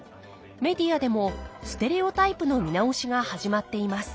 メディアでもステレオタイプの見直しが始まっています